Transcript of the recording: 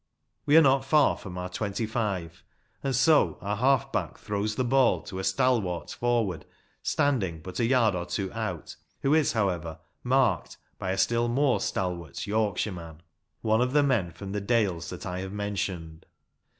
We are not far from our twenty five, and so our half back throws the ball to a stalwart forward standing but a yard or two out, who is, however, marked by a still more stalwart Yorkshireman ‚ÄĒ one of the men from the dales that I have mentioned.